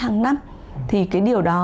hàng năm thì cái điều đó